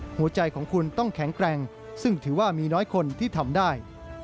หัวใจของคุณต้องแข็งแกร่งซึ่งถือว่ามีน้อยคนที่ทำได้